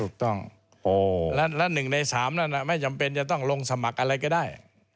ถูกต้องและ๑ใน๓นั้นไม่จำเป็นจะต้องลงสมัครอะไรก็ได้